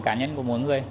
cá nhân của mỗi người